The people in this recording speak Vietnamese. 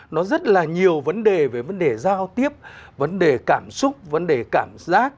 nó rất là nhiều vấn đề về vấn đề giao tiếp vấn đề cảm xúc vấn đề cảm giác